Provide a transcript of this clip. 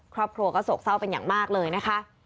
ครอบครัวก็โศกเศร้าเป็นอย่างมากเลยนะคะ